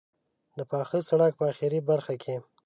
د پاخه سړک په آخري برخه کې.